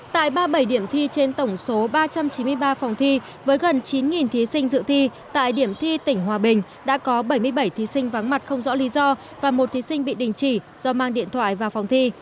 tại ba mươi bảy điểm thi trên tổng số ba trăm chín mươi ba phòng thi với gần chín thí sinh dự thi tại điểm thi tỉnh hòa bình đã có bảy mươi bảy thí sinh vắng mặt không rõ lý do và một thí sinh bị đình chỉ do mang điện thoại vào phòng thi